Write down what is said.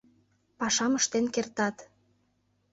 Пашам ыштен кертат.